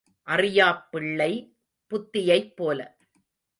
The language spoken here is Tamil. அறியாப் பிள்ளை புத்தியைப் போல.